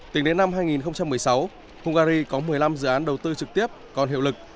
tính đến năm hai nghìn một mươi sáu hungary có một mươi năm dự án đầu tư trực tiếp còn hiệu lực